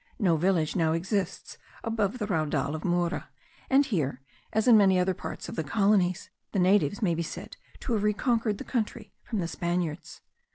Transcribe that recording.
No village now exists above the Raudal of Mura; and here, as in many other parts of the colonies, the natives may be said to have reconquered the country from the Spaniards.